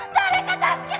助けて！